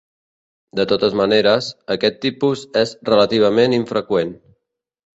De totes maneres, aquest tipus és relativament infreqüent.